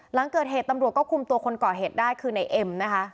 หลังเกิดเหตุตำรวจก็คุมตัวคนก่อเหตุได้คือในเอ็มนะคะ